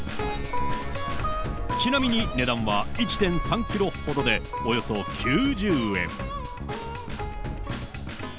ちなみに値段は１．３キロほどで、およそ９０円。